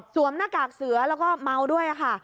หน้ากากเสือแล้วก็เมาด้วยค่ะ